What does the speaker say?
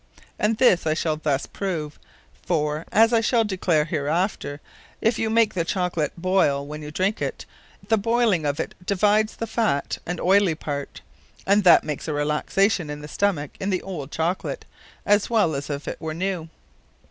And this I shall thus prove; for, as I shall declare hereafter, if you make the Chocolate boyle, when you drinke it, the boyling of it divides that fat and oyly part; and that makes a relaxation in the Stomacke in the old Chocolate, as well as if it were new.